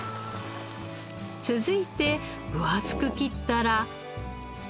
続いて分厚く切ったら。